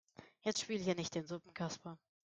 Jetzt spiel hier nicht den Suppenkasper.